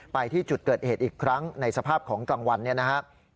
ไปที่จุดเกิดเหตุอีกครั้งในสภาพของกลางวันเนี่ยนะครับ